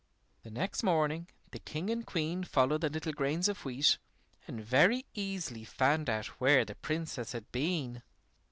The next morning the King and Queen followed the little grains of wheat and very easily found out where the Princess had been.